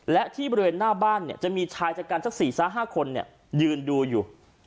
และที่บริเวณหน้าบ้านจะมีชายจัดการสัก๔๕คนยืนดูอยู่